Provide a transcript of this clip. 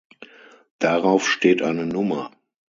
Darauf steht eine Nummer.